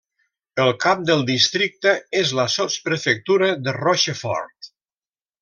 El cap del districte és la sotsprefectura de Rochefort.